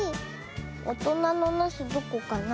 おとなのなすどこかな？